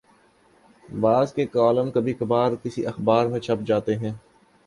بعض کے کالم کبھی کبھارکسی اخبار میں چھپ جاتے ہیں۔